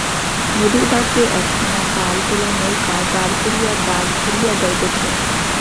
নদীর বঁকে একখানা পাল-তোলা নৌক দাঁড় বাহিয়া বঁক ঘুরিয়া যাইতেছে।